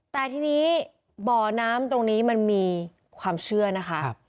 แต่ทีนี้บ่อน้ำตรงนี้มันมีความเชื่อนะคะ